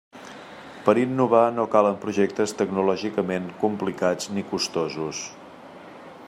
Per a innovar no calen projectes tecnològicament complicats ni costosos.